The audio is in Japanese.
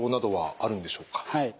はい。